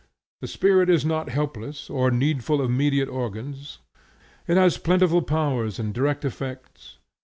The spirit is not helpless or needful of mediate organs. It has plentiful powers and direct effects.